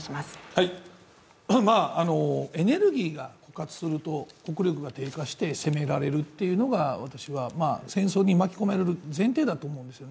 エネルギーが枯渇すると、国力が低下して攻められるっていうのが私は戦争に巻き込まれる前提だと思うんです。